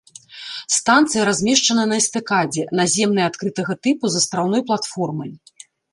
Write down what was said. Станцыя размешчана на эстакадзе, наземная адкрытага тыпу з астраўной платформай.